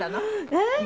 えっ？